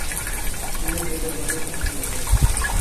Tiene tres hermanos y hermanas.